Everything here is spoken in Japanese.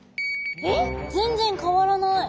えっ全然変わらない。